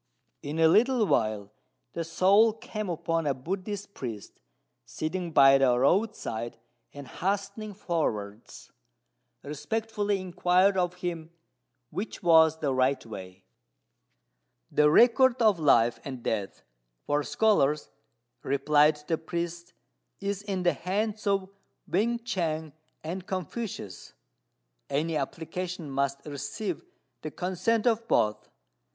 In a little while the soul came upon a Buddhist priest sitting by the roadside, and, hastening forwards, respectfully inquired of him which was the right way. "The record of life and death for scholars," replied the priest, "is in the hands of Wên ch'ang and Confucius; any application must receive the consent of both."